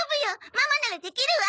ママならできるわ。